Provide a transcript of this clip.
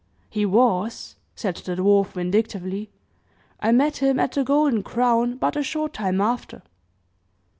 "He was," said the dwarf, vindictively. "I met him at the Golden Crown but a short time after."